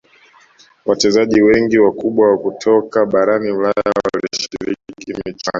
wachezaji wengi wakubwa kutoka barani ulaya walishiriki michuano